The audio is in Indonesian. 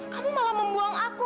kamu malah membuang aku